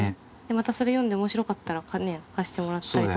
またそれ読んで面白かったら貸してもらったりとかね。